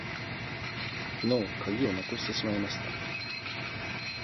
きのうかぎをなくしてしまいました。